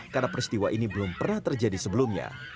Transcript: karena peristiwa ini belum pernah terjadi sebelumnya